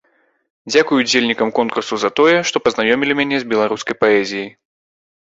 Дзякуй ўдзельнікам конкурсу за тое, што пазнаёмілі мяне з беларускай паэзіяй.